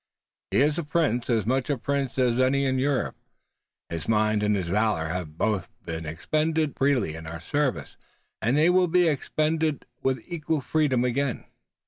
He is a prince, as much a prince as any in Europe. His mind and his valor have both been expended freely in our service, and they will be expended with equal freedom again."